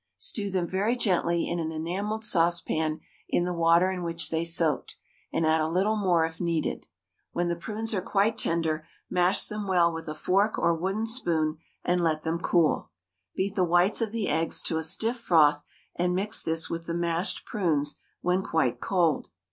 Stew them very gently in an enamelled saucepan in the water in which they soaked, and add a little more if needed; when the prunes are quite tender, mash them well with a fork or wooden spoon, and let them cool. Beat the whites of the eggs to a stiff froth, and mix this with the mashed prunes when quite cold.